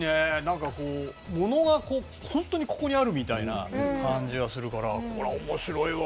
物が本当にここにあるみたいな感じがするからこれは面白いわ。